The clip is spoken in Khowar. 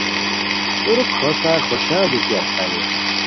تر ک ہوسار خوشان بیتی استانی